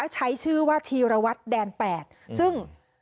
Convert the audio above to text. ใช้ชื่อว่าธีรวัตรแดน๘ซึ่ง